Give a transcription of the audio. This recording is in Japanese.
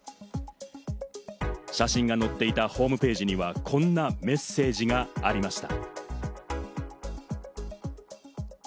写真が載っていたホームページには、こんなメッセージがありました。